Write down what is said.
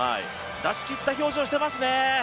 出し切った表情してますね。